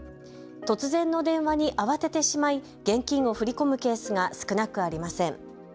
突然の電話に慌ててしまい現金を振り込むケースが少なくありません。